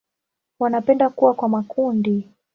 Wanapenda kuwa kwa makundi.